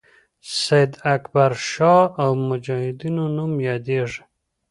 سید اکبرشاه او مجاهدینو نوم یادیږي.